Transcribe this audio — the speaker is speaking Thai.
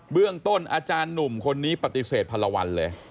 เรื่องต้นอาจารย์หนุ่มคนนี้ปฏิเสธพันละวันเลย